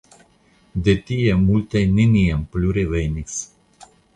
De tie multaj neniam plu revenis.